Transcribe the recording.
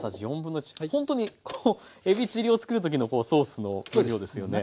ほんとにこうえびチリを作る時のソースの分量ですよね。